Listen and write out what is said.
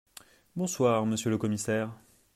Bonsoir, monsieur le Commissaire…